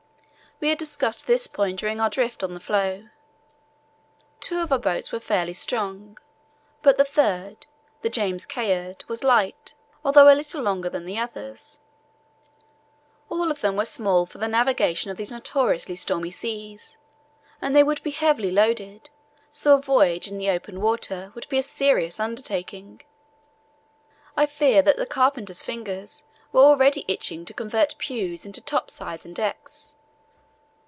We had discussed this point during our drift on the floe. Two of our boats were fairly strong, but the third, the James Caird, was light, although a little longer than the others. All of them were small for the navigation of these notoriously stormy seas, and they would be heavily loaded, so a voyage in open water would be a serious undertaking. I fear that the carpenter's fingers were already itching to convert pews into topsides and decks.